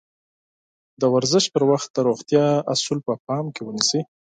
د ورزش پر وخت د روغتيا اَصول په پام کې ونيسئ.